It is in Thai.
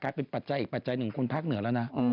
เป็นปัจจัยอีกปัจจัยหนึ่งคนภาคเหนือแล้วนะ